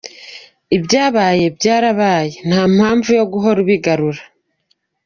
Ibyabaye byarabaye nta mpamvu yo guhora ubigarura.